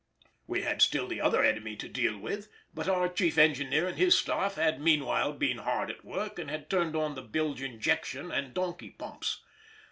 We had still the other enemy to deal with; but our chief engineer and his staff had meanwhile been hard at work and had turned on the "bilge injection" and "donkey pumps."